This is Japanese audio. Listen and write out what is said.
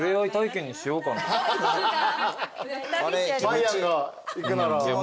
まいやんが行くなら。